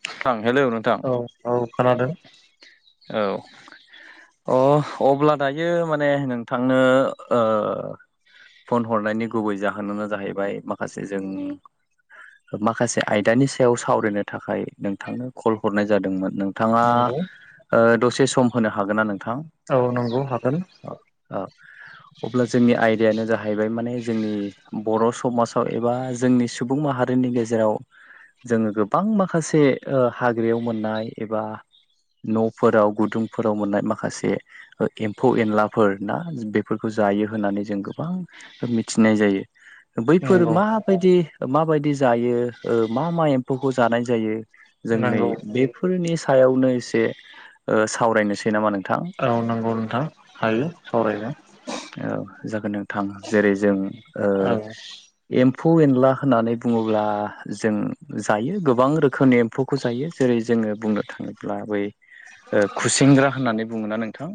[unintelligible] औ औ खोनादों। औ अ अब्ला दायो माने नोंथांनो ओ फन हरनायनि गुबै जाहोनानो जाहैबाय माखासे जों माखासे आयदानि सायाव सावरायनो थाखाय नोंथांनो कल हरनाय जादोंमोन नोंथाङा नंगौ ओ दसे सम होनो हागोन ना नोंथां? औ नंगौ हागोन। औ औ अब्ला जोंनि आयदायानो जाहैबाय माने जोंनि बर' समाजाव एबा जोंनि सुबुं माहा रिनि गेजेराव जोङो गोबां माखासे ओ हाग्रायाव मोननाय एबा न'फोराव गुदुंफोराव मोननाय माखासे ओ एम्फौ एनलाफोर ना बेफोरखौ जायो होननानै जों गोबां खो मिथिनाय जायो। बैफोर नंगौ माबायदि माबायदि जायो ओ मा मा एम्फौखौ जानाय जायो जों नै नंगौ बेफोरनि सायावनो एसे ओ सावरायनोसै नामा नों औ नंगौ नोंथां हायो सावरायनो औ जागोन नोंथां जेरै जोङो औ एम्फौ एनला होननानै बुङोब्ला जों जायो गोबां रोखोमनि एम्फौखौ जायो जेरै जोङो बुंनो थाङोब्ला बै ओ खुसिंग्रा होननानै बुङोना नोंथां।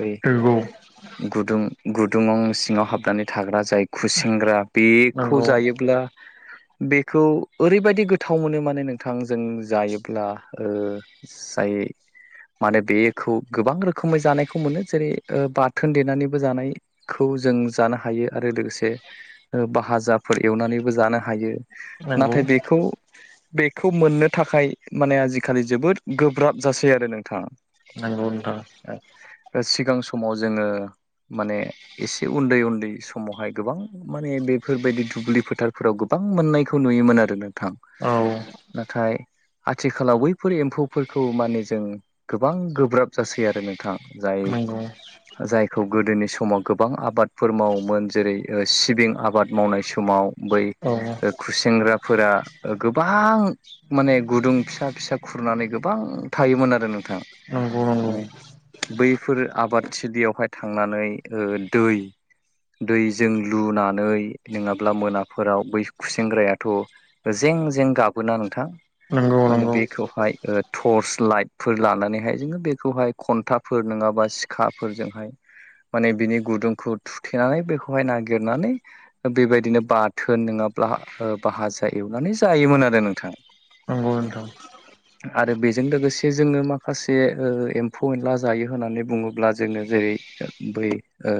बै नंगौ गुदुं गुदुङाव सिङाव हाबनानै थाग्रा जाय खुसेंग्रा बेखौ नंगौ जायोब्ला बेखौ ओरैबायदि गोथाव मोनो माने नोंथां जों जायोब्ला ओ जाय मानो बेखौ गोबां रोखोमै जानायखौ मोनो जेरै ओ बाथोन देनानैबो जानाय खौ जों जानो हायो आरो लोगोसे ओ भाजाफोर एवनानैबो जानो हायो। नंगौ नाथाय बेखौ बेखौ मोननो थाखाय माने आजिखालि जोबोद गोब्राब जासै आरो नोंथा औ नोंथां ओ सिगां समाव जोङो माने एसे उन्दै उन्दै समावहाय गोबां माने बेफोरबायदि दुब्लि फोथारफोराव गो बां मोननायखौ नुयोमोन आरो नोंथां। औ नाथाय आथिखालाव बैफोर एम्फौफोरखौ माने जों गोबां गोब्राब जासै आरो नोंथां जाय नंगौ जायखौ गोदोनि समाव गोबां आबादफोर मावोमोन जेरै ओ सिबिं आबाद मावनाय समाव बै औ खुसेेंग्राफोरा गोबां माने गुदुं फिसा फिसा खुरनानै गोबां थायोमोन आरो नोंथां। नंगौ माने बैफोर आबादथिलियावहाय थांनानै ओ दै दैजों लुनानै नोङाब्ला मोनाफोराव बै खुसेेंग्रायाथ' जें जें गाबोना नोंथां नंगौ माने नंगौ बेखौहाय ओ टर्स लाइटफोर लानानैहाय जोङो बेखौहाय खन्था फोर नङाबा सिखाफोरजोंहाय माने बिनि गुदुंखौ थुथेनानै बेखौहाय नागेरनानै बेबायदिनो बाथोन नङाब्ला ओ भाजा एवनानै जायोमोन आरो नोंथां। नंगौ नोंथां। [inaudible] आरो बेजों लोगोसे जोङो माखासे ओ एम्फौ एनला जायो होननानै बुङोब्ला जोङो जेरै बै ओ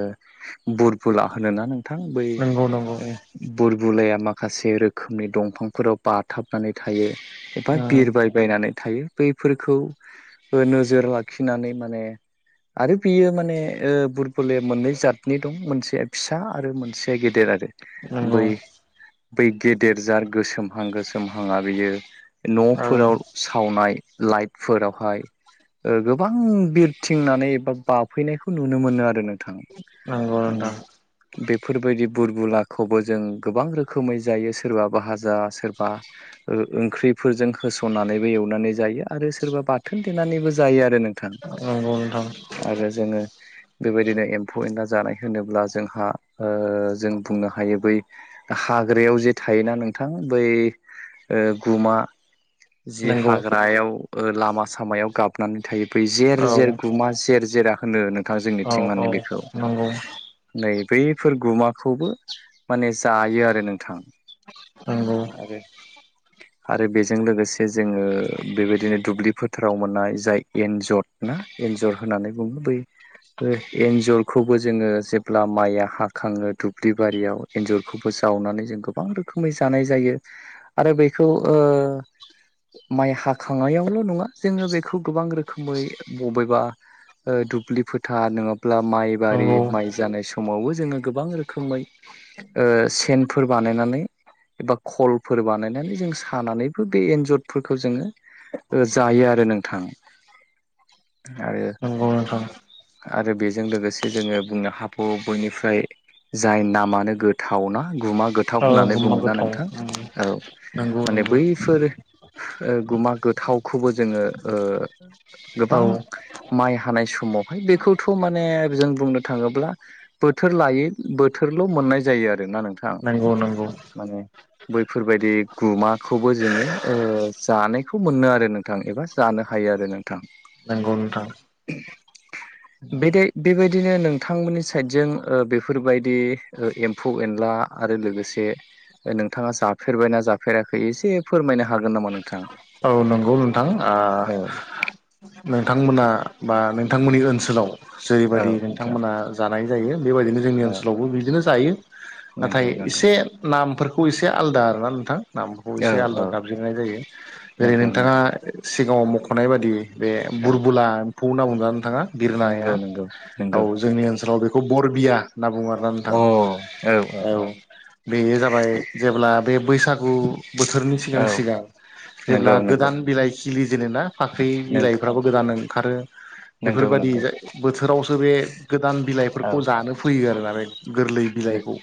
बुरबुला होनोना नों थां बै नंगौ नंगौ ओ बुरबुलाया माखासे रोखोमनि दंफांफोराव बाथाबनानै थायो एबा उम बिरबाय बायनानै थायो बैफोरखौ ओ नोजोर लाखिनानै माने आरो बियो माने ओ बुरबुलया मोननै जादनि दं मोनसे फिसा आरो मोन सेया गेदेर आरो नंगौ बै बै गेदेर जार गोसोमहां गोसोम हाङा बैयो औ न'फोराव सावनाय लाइटफोरावहाय ओ गोबां बिरथिंनानै एबा बाफैनायखौ नुनो मोनो आरो नोंथां। नंगौ माने नोंथां। बेफोरबायदि बुरबुलाखौबो जों गोबां रोखोमै जायो सोरबा भाजा सोरबा ओ ओंख्रिफोरजों होसननानैबो एवनानै जायो आरो सोरबा बाथोन देनानैबो जायो आरो नोंथां। नंगौ नोंथां आरो जोङो बेबायदिनो एम्फौ एनला जानाय होनोब्ला जोंहा ओ जों बुंनो हायो बै हाग्रायाव जे थायोना नोंथां बै ओ गुमा जि नंगौ हाग्रायाव ओ लामा सामायाव गाबनानै थायो बै जेर औ जेर गुमा जेर जेरा होनो नोंथां औ जोंनिथिं औ माने बेखौ नंगौ नै बैफोर गुमाखौबो माने जायो आरो नोंथां। नंगौ [inaudible] आरो बेजों लोगोसे जोङो बेबायदिनो दुब्लि फोथाराव मोननाय जाय एनजर ना एन्जर होननानै बुङो बै एन्जरखौबो जोङो जेब्ला माइया हाखाङो दुब्लि बारियाव एन्जरखौबो जावनानै जों गोबां रोखोमै जानाय जायो आरो बेखौ ओ माइ हाखांनायावल' नङा जोङो बेखौ गोबां रोखोमै बबेबा ओ दुब्लि फोथार नङाब्ला माइबारि नंगौ माइ जानाय समावबो जोङो गोबां रोखोमै सेनफोर बानायनानै एबा खल फोर बानायनानै जों सानानैबो बे एन्जरफोरखौ जोङो जायो आरो नोंथां आरो नंगौ नोंथां आरो बेजों लोगोसे जोङो बुंनो हाबायो बेनिफ्राय जाय नामानो गोथाव ना गुमा गोथाव औ होननानै बुङोना गोथाव नोंथां। औ नंगौ माने नंगौ बैफोर ओ गुमा गोथावखौबो जोङो ओ औ गोबां माइ हानाय समावहाय बेखौथ' माने जों बुंनो थाङोब्ला बोथोर लायै बोथोरल' मोननाय जायो आरोना नोंथाङा नंगौ नंगौ बैफोरबायदि गुमाखौबो जोङो ओ जानायखौ मोनो आरो नोंथां एबा जानो हायो आरो नोंथां। नोंगौ नोंथां बे बेबायदिनो नोंथांमोननि साइडजों बेफोरबायदि ओ एम एम्फौ एनला आरो लोगोसे नों नोंथाङा जाफेरबाय नना जाफेराखै एसे फोरमायनो हागोन नामा नोंथाङा। औ नंगौ नोंथां नोंथांमोना बा नोंथांमोननि ओनसोलाव औ जेरैबायदि नोंथां नोंथांमोना जानाय जायो बेबायदिनो जोंनि औ ओनसोलावबो बिदिनो जायो नाथाय नंगौ नंगौ एसे नामफोरखौ एसे आलादा आरोना नोंथां। नामखौ औ एसे आलदा औ गाबज्रिनाय जायो जेरै नंगौ नोंथाङा नंगौ सिगाङाव खम नाय बादि बे औ बुरबुला एम्फौ होनना बंदोंना नोंथाङा बिरनाया नंगौ नंगौ औ नंगौ जोंनि ओनसोलाव बेखौ बरबिया होनना बुङो आरोना नोंथां। अ औ बेयो जाबाय जेब्ला बे बैसागु बोथोरनि सिगां औ सिगां जेब्ला नंगौ नंगौ गोदान बिलाइ खिलि जेनेना फाख्रि नंगौ बिलाइफ्राबो गोदान ओंखारो नंगौ औ बेफोरबायादि बोथोरावसो बे गोदान बिलाइफोरखौ जानो फैयो आरो नालाय गोरलै बिलाइखौ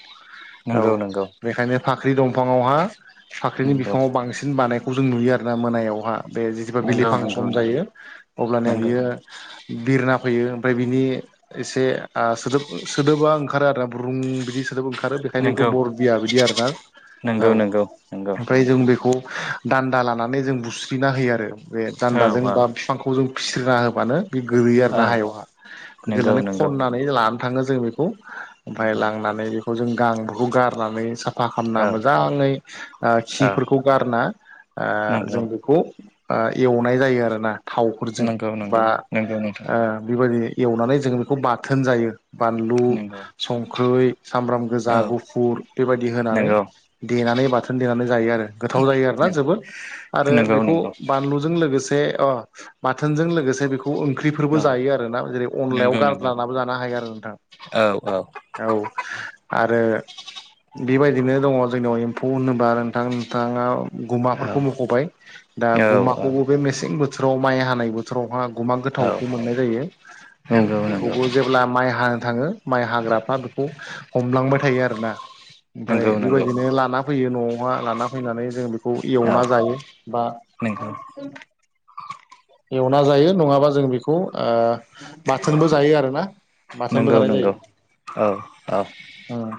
औ नंगौ नंगौ बेखायनो फाख्रि दंफाङावहा फाख्रिनि नंगौ बिफाङाव बांसिन बानायखौ जों नुयो आर ना मोनायावहा बे जिजिबा नंगौ नंगौ बिलिफां नंगौ सम जायो अब्लानिया बियो बिरना फैयो ओमफ्राय बिनि एसे आं सोदोब सोदोबा ओंखारो आरो ना ब्रुं बिदि सोदोब ओंखा रो बेखायनो बेखौ नंगौ बरबिया बिदि आरोना औ नंगौ नंगौ नंगौ ओमफ्राय जों बेखौ दान्दा लानानै जों बुस्रिना होयो आरो बे औ दान्दाजों औ बा बिफांखौ जों फिस्रिना होबानो बे गोलैयो औ आरोना हायावहा नंगौ गोलैनानै नंगौ खननानै लाना थाङो जों बेखौ ओमफ्राय नंगौ लांनानै बेखौ जों गांखौ गारनानै साफ साफा खालामामना औ मोजाङै औ खिफोरखौ गारना नंगौ जों बेखौ एवनाय जायो आरोना थावफोरजों नंगौ नंगौ बा नंगौ नोंथां ओ बेबायदि एवनानै जोंङो बेखौ बाथोन जायो बानलु नंगौ संख्रि सामब्राम गोजा औ गुफुर बेबायदि होनानै नंगौ देनानै बाथोन देनानै जायो आरो गोथाव जायो आरोना जोबोद आरो नंगौ बेखौ नंगौ बान जों लोगोसे बाथोनजों लोगोसे खौ ओंख्रिफोरबो औ जायो आरोना जेरै अनलायाव नंगौ नंगौ गारलानाबो जानो हाया आरो नोंथां। औ औ औ आरो बेबायदिनो दङ जोंनियाव एम्फौ होनोबा नोंथां नोंथाङा औ गुमाफोरखौ मख'बाय दा औ गुमाखौबो औ बे मेसें बोथोराव माइ हानाय बो बोथोरावहा गुमा औ गोथावखौ मोननाय जायो औ नंगौ नंगौ बेखौबो जेब्ला माइ हानो थाङो माइ हाग्राफ्रा बेखौ हमलांबाय थायो आरो ना ओमफ्राय नंगौ नंगौ बेबायदिनो लाना फैयो न'आवहा लाना फैनानै जों बेखौ औ एवना जायो बा नंगौ एवना जायो नङाबा जों बेखौ आ बाथोनबो जायो आरोना बाथोनबो नंगौ जानाय नंगौ जायो औ औ ओम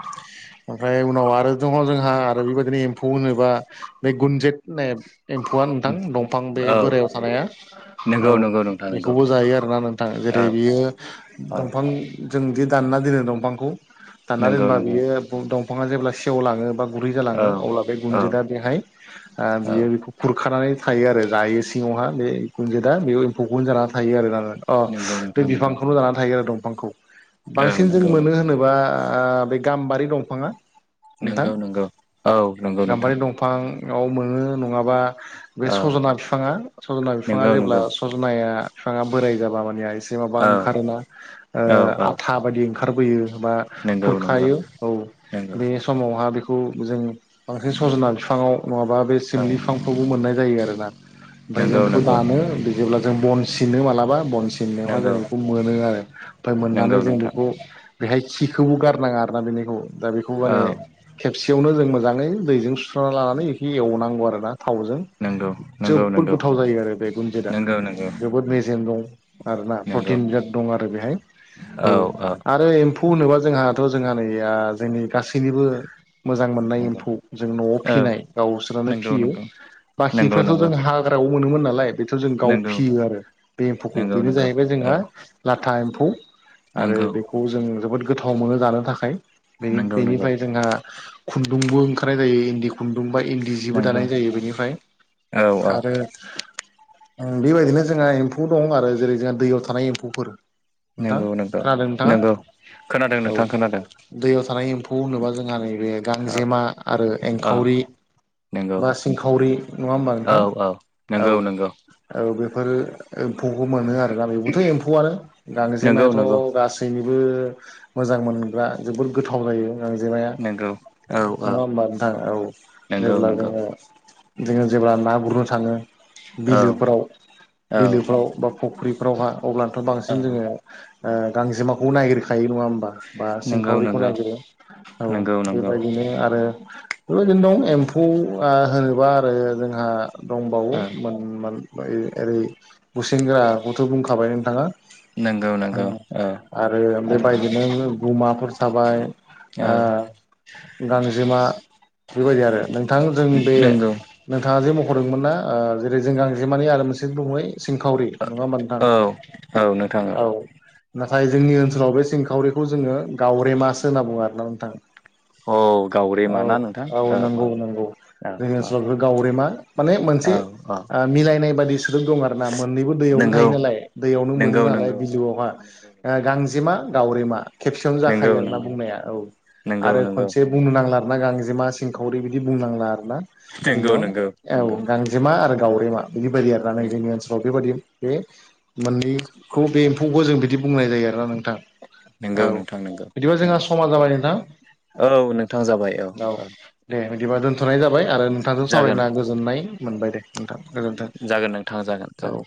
ओमफ्राय उनाव आरो दङ जोंहा आरो बेबायदिनो एम्फौ होनोबा बे गुनजेत होननाय एम्फौआ नोंथां दंफां बे औ बोरायाव थानाया नंगौ औ नंगौ नोंथां नंगौ बेखौबो जायो आरोना नोंथां ना औ जेरै बियो औ दंफां जोंदि दानना दोनो दंफांखौ दानना नंगौ दोनबा नंगौ बियो दंफाङा जेब्ला सेवलाङो बा गुरुै औ जालाङो अब्ला बे औ गुनजिदा बेहाय औ बियो बेखौ खुरखानानै थायो आरो जायो सिङावहाय बे गुनजो दा बेयाव एम्फौखौनो जानानै थायो आरो ना अ नंगौ बे नोंथां नंगौ बिफांखौनो जानानै थायो आरो दंफांखौ। औ बांसिन जों नंगौ नंगौ मोनो होनोबा बे गाम्बारि दंफाङा नोंथां नंगौ नंगौ औ नंगौ नोंथां बिफाङाव मोनो नङाबा बे औ सजना बिफाङा सजना बिफाङा नंगौ जेब्ला नंगौ सजनाया बिफाङा बोराय जाबा मानि एसे जे माबा औ ओंखारोना ओ औ औ आथा बायदि ओंखारबोयो बा नंगौ नंगौ खुरखायो औ नंगौ बे समावहा बेखौ जों बांसिन सजना बिफाङाव नङाबा बे औ सिमलि बिफां मोननाय जायो आरोना ओमफ्राय नंगौ जों बेखौ नंगौ दानो जेब्ला जों बन सिनो मालाबा बन सि नायावहा जों नंगौ बेखौ मोनो आरो ओमफ्राय नंगौ मोननानै जों नोंथां बेखौ बेहाय खिखौबो गारनाङा आरोना बेैखौ दा बेखौ माने औ खेबसेयावनो जों मोजाङै दैजों सुस्रांना लानानै इखौ एवनांगौ आरो ना थावजों नंगौ नंगौ जोबोद नंगौ गोथाव जायो आरो बे गुनजिता नंगौ नंगौ जोबोद मेजेम दं आरोना नंगौ प्रटिन बिराद दं आरो बेहाय औ आरो एम्फौ होनोबा जोंहाथ' जोंहा नैया जोंनि गासैनिबो मोजां मोननाय नंगौ एम्फौ जों न'आव औ फिनाय गावसोरानो नंगौ फियो नंगौ नंगौ बाखिफ्राथ' नंगौ जों हाग्रायाव मोनोमोन नालाय बेथ' जों गाव नंगौ फियो आरो बे एम्फौखौ नंगौ बेनो नंगौ जाहैबाय औ जोंहा लाथा एम्फौ आरो नंगौ बेखौ जों जोबोद गोथाव मोनो जानो थाखाय नंगौ नंगौ बेनिफ्राय जोंहा खुन्दुंबो ओंखारनाय जायो इन्दि खुन्दुं बा इन्दि जिबो नंगौ दानाय जायो बिदि बेनिफ्राय औ औ आरो बेबायदिनो जोंहा एम्फौ दं आरो जेरै जोंहा दैयाव थानाय एम्फौफोर नोंथां नंगौ नंगौ खोनादों नोंथाङा नंगौ खोनादों औ नोंथां खोनादों दैयाव थानाय एम फौखौ होनोबा जोंहा नैबे औ गांजेमा आरो एंखावरि नोंगौ बा सिंखावरि नङा होमबा नोंथां औ नंगौ नंगौ औ बेफोर एम्फौखौ मोनो आरोना बेबोथ' एम्फौआ नंगौ गांजेमायाथ' नंगौ गासै गासैनिबो मोजां मोनग्रा जोबोर गोथाव जायो गांजिमाया नंगौ औ औ नङा होमबा नोंथां औ नंगौ जेब्ला नंगौ जोङो जोङो जेब्ला ना गुरनो थाङो औ बिलोफोराव औ बिलोफ्राव बा फुख्रिफ्रावहा अब्लानोथ' बांसिन औ जोङो ओ गांजेमाखौ नायगिरखायो नङा होमबा। बा नंगौ सिंखावरिखौ नंगौ नायगिरो औ नंगौ नंगौ बेबायदिनो आरो बेबायदिनो दं एम्फौ ओ होनोबा आरो जोंहा दंबावो औ [unintelligible] ओरै गुसेेंग्राखौथ' बुंखाबाय नोंथाङा नंगौ नंगौ। औ आरो बेबायदिनो गुमाफोर थाबाय औ आ गांजेमा बेबायदि आरो नोंथां जों बे नंगौ नोंथाङा जे मख'दोंमोनना ओ जेरै जों गांजेमानि आरो मोनसे [unintelligible] सिंखावरि नङा होमबा नोंथां औ औ नोंथां औ। नाथाय जोंनि ओनसोलाव बे सिंखावरिखौ जोङो गावरेमासो होनना बुङो आरोना नोंथां। औ औ गावरेमा ना नोंथां औ नंगौ नंगौ। औ जोंनि औ ओनसोलाव बे गावरेमा माने मोनसे औ औ ओ मिलायनाय बादि सोदोब दं आरो ना मोननैबो दैयावनो नंगौ थायो नालाय दैयावनो मोनो नंगौ नालाय नंगौ बिबोआवहा। नंगौ ओ गांजेमा गावरेमा खेबसेयावनो नंगौ जाखायो आरो ना नंगौ बुंनाया औ नंगौ नंगौ आरो खनसे बुंनो नांला आरो ना गांजेमा सिंखावरि बिदि बुंनांला आरोना नंगौ जोंनियाव नंगौ औ गांजे जेमा आरो गावरेमा बिदि बायदि आरोना नै नंगौ जोंनि ओनसोलाव औ बेबादि बे मोननैखौ बे एम्फौखौ जों बिदि बुंनाय जायो आरोना नोंथां। औ नंगौ नोंथां नंगौ बिदिबा जोंहा नंगौ समा जाबाय नोंथां औ नोंथां जाबाय औ। दे बिदिबा दोन्थ'नाय जाबाय आरो नोंथांजों जागोन सावरायना गोजोननाय मोनबाय दे। नोंथां गोजोन्थों जागोन नोंथां जागोन जागोन औ।